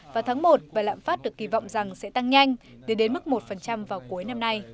vào tháng một bài lãm phát được kỳ vọng rằng sẽ tăng nhanh để đến mức một vào cuối năm nay